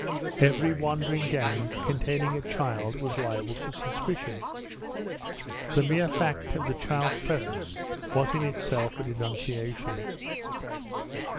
Every wandering gang containing a child was liable to suspicion. The mere fact of the child's presence was in itself a denunciation.